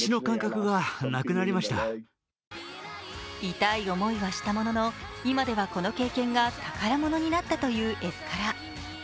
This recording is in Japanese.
痛い思いはしたものの今ではこの経験が宝物になったというエスカラ。